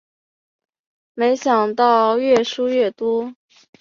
没想到越输越多